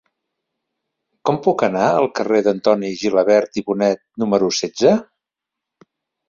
Com puc anar al carrer d'Antoni Gilabert i Bonet número setze?